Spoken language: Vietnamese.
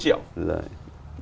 chỉ là hai trăm năm mươi triệu